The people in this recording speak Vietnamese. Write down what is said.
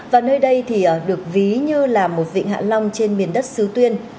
và nơi đây thì được ví như là một vịnh hạ long trên miền đất xứ tuyên